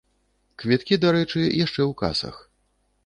Квіткі, дарэчы, яшчэ ў касах.